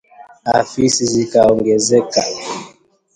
Afisi zikaongezeka